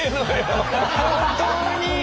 本当に。